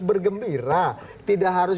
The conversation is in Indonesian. bergembira tidak harus